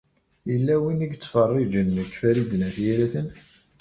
Yella win i yettfeṛṛiǧen deg Farid n At Yiraten.